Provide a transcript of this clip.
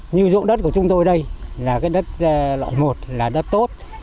như dụng đất của chúng tôi đây là cái đất loại một là đất tốt